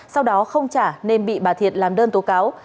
sau đó không trả nên bị bà thiệt làm đơn tố cáo